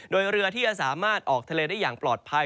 โดยเรือที่จะสามารถออกทะเลได้อย่างปลอดภัย